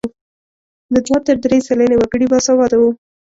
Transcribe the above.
له دوه تر درې سلنې وګړي باسواده وو.